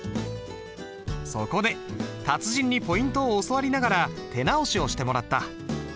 そこで達人にポイントを教わりながら手直しをしてもらった。